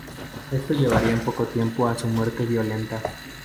Esto llevaría en poco tiempo a su muerte violenta.